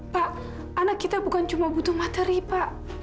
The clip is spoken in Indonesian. pak anak kita bukan cuma butuh materi pak